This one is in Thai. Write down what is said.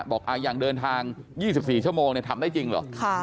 บอกอย่างเดินทาง๒๔ชั่วโมงทำได้จริงเหรอ